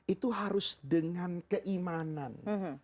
itu harus dengan keimanan